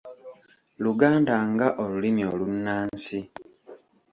Luganda nga olulimi olunnansi